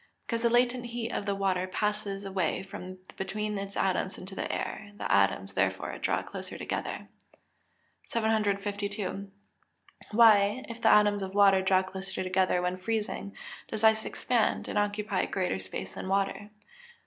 _ Because the latent heat of the water passes away from between its atoms into the air; the atoms, therefore, draw closer together. 752. _Why, if the atoms of water draw closer together when freezing, does ice expand, and occupy greater space than water?